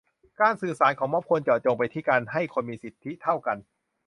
การสื่อสารของม็อบควรเจาะจงไปที่การให้คนมีสิทธิเท่ากัน